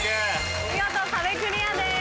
見事壁クリアです。